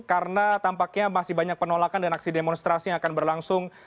karena tampaknya masih banyak penolakan dan aksi demonstrasi yang akan berlangsung